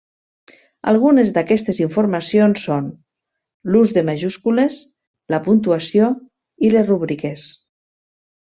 Algunes d'aquestes informacions són: l'ús de majúscules, la puntuació i les rúbriques.